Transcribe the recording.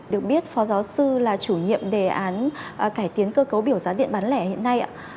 được biết phó giáo sư là chủ nhiệm đề án cải tiến cơ cấu biểu giá điện bán lẻ hiện nay ạ